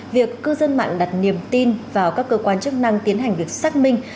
việc cư dân mạng đặt niềm tin vào các cơ quan chức năng tiến hành việc xác minh